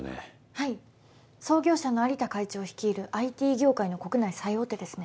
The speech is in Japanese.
はい創業者の蟻田会長率いるＩＴ業界の国内最大手ですね。